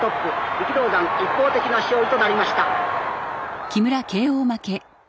力道山一方的な勝利となりました。